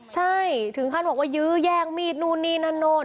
ใช่ถึงขั้นบอกว่ายื้อแย่งมีดนู่นนี่นั่นนู่น